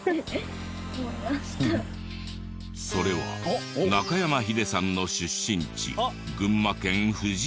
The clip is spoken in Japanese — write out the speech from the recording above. それは中山ヒデさんの出身地群馬県藤岡市。